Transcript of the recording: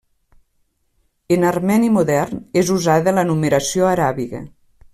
En armeni modern és usada la numeració aràbiga.